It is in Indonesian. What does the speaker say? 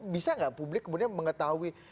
bisa nggak publik kemudian mengetahui